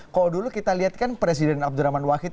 kalau dulu kita lihat kan presiden abdurrahman wahid